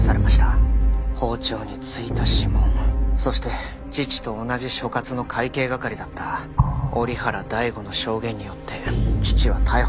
包丁に付いた指紋そして父と同じ所轄の会計係だった折原大吾の証言によって父は逮捕されました。